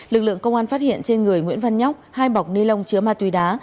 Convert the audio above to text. lực lượng công an phát hiện trên người nguyễn văn nhóc hai bọc ni lông chứa ma túy đá